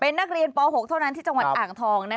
นักเรียนป๖เท่านั้นที่จังหวัดอ่างทอง